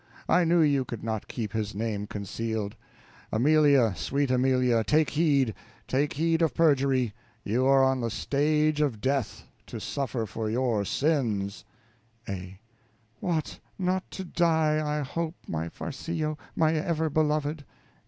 I knew you could not keep his name concealed. Amelia, sweet Amelia, take heed, take heed of perjury; you are on the stage of death, to suffer for your sins. A. What, not to die I hope, my Farcillo, my ever beloved.